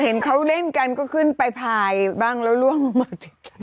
เห็นเขาเล่นกันก็ขึ้นไปพายบ้างแล้วล่วงลงมา